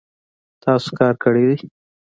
تاسو کار کړی دی